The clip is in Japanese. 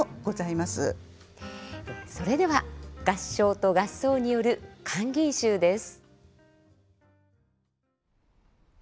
それでは「合唱と合奏による閑吟集」です。